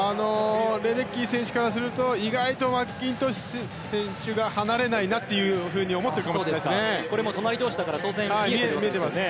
レデッキー選手からすると意外とマッキントッシュ選手が離れないなと思ってるかもしれないですね。